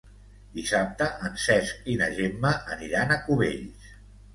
Dissabte en Cesc i na Gemma aniran a Cubells.